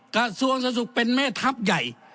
กระทรวงสาธารณสุขเป็นเมธับใหญ่